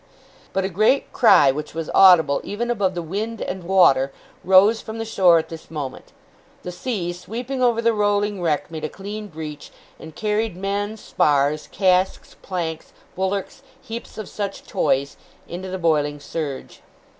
But a great cry, which was audible even above the wind and water, rose from the shore at this moment; the sea, sweeping over the rolling wreck, made a clean breach, and carried men, spars, casks, planks, bulwarks, heaps of such toys, into the boiling surge.